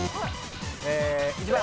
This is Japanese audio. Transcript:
１番